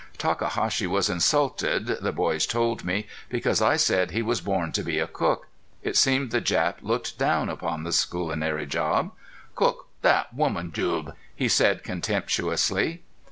Takahashi was insulted, the boys told me, because I said he was born to be a cook. It seemed the Jap looked down upon this culinary job. "Cook that woman joob!" he said, contemptuously.